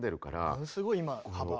ものすごい今幅。